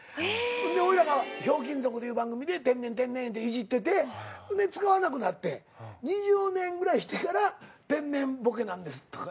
でおいらが『ひょうきん族』っていう番組で天然天然言うていじっててで使わなくなって２０年ぐらいしてから天然ボケなんですとか言うて。